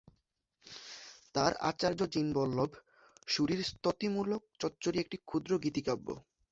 তাঁর আচার্য জিনবল্লভ সূরির স্ত্ততিমূলক চ্চচরী একটি ক্ষুদ্র গীতিকাব্য।